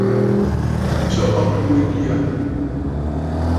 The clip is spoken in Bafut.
Tsɔʼɔ ŋgwen yâ.